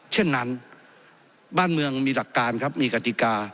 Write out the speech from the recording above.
เช่นนั้นบ้านเมืองมีหลักการครับมีกติกา